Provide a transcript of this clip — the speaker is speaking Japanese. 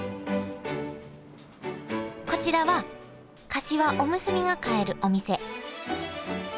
こちらはかしわおむすびが買えるお店。